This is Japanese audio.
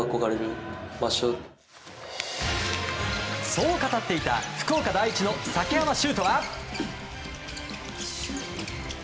そう語っていた福岡第一の崎濱秀斗は。